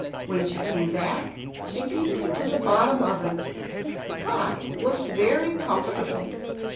When she came back, she peeped into the bottom oven; the pie looked very comfortable.